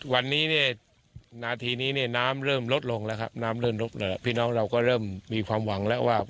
วันนี้นาทีนี้น้ำเริ่มลดลงแล้วครับพี่น้องเราก็เริ่มมีความหวังแล้วว่า